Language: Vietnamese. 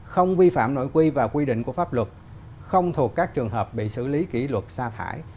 không vi phạm nội quy và quy định của pháp luật không thuộc các trường hợp bị xử lý kỷ luật xa thải